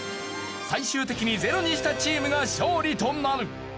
最終的に０にしたチームが勝利となる。